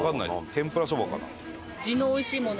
天ぷらそばかな？